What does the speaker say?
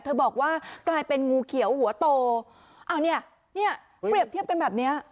บอกว่ากลายเป็นงูเขียวหัวโตเอาเนี่ยเนี่ยเปรียบเทียบกันแบบเนี้ย